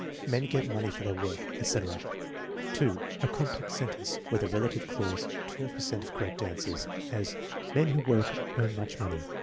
"Men get money for their work," etc. () A complex sentence with a relative clause (18 per cent of correct answers); as: "Men who work earn much money."